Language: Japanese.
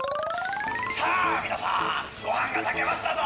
さあみなさんごはんがたけましたぞ！